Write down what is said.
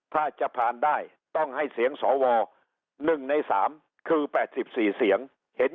ถ้าจะผ่านได้ต้องให้เสียงสวหนึ่งในสามคือแปดสิบสี่เสียงเห็น